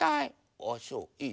ああそういいよ。